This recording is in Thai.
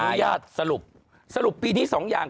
อนุญาตสรุปสรุปปีนี้สองอย่าง